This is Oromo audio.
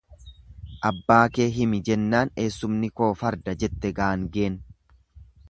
Abbaa kee himi jennaan eessumni koo farda jette gaangeen.